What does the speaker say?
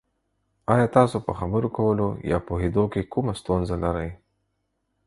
ایا تاسو په خبرو کولو یا پوهیدو کې کومه ستونزه لرئ؟